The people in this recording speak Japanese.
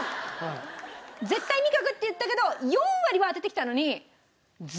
絶対味覚って言ったけど４割は当ててきたのに。